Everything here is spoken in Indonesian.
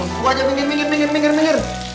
gue aja pinggir pinggir pinggir pinggir pinggir